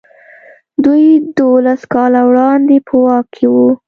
دوی دولس کاله وړاندې په واک کې وو.